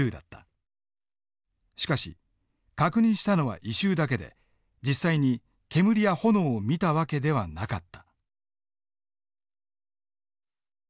しかし確認したのは異臭だけで実際に煙や炎を見た訳ではなかった。